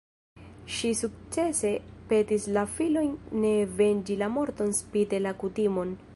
Ŝi sukcese petis la filojn ne venĝi la morton spite la kutimon.